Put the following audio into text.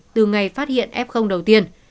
từ ngày phát hiện f đầu tiên